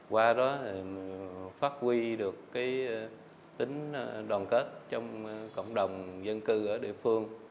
qua đó phát huy được tính đoàn kết trong cộng đồng dân cư ở địa phương